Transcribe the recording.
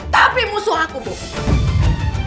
tapi musuh aku bobby